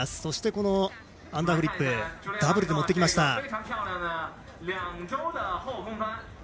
そして、アンダーフリップをダブルで持ってきました。